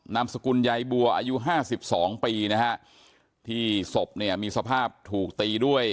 นามสกุลยายบัวอายุห้าสิบสองปีนะฮะที่ศพเนี่ยมีสภาพถูกตีด้วย